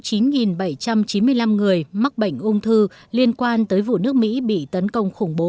trong tổng số chín bảy trăm chín mươi năm người mắc bệnh ung thư liên quan tới vụ nước mỹ bị tấn công khủng bố